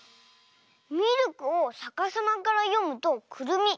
ミルクをさかさまからよむとくるみ。